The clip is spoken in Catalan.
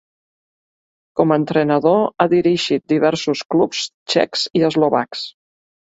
Com a entrenador ha dirigit diversos clubs txecs i eslovacs.